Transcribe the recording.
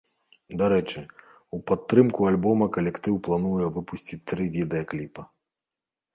Дарэчы, у падтрымку альбома калектыў плануе выпусціць тры відэакліпа.